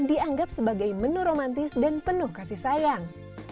dianggap sebagai menu romantis dan penuh kasih sayang